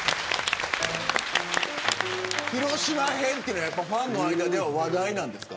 広島編というのはファンの間では話題なんですか。